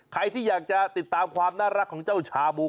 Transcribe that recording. ใครที่อยากจะติดตามความน่ารักของเจ้าชาบู